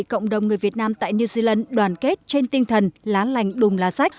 cộng đồng người việt nam tại new zealand đoàn kết trên tinh thần lá lành đùm lá sách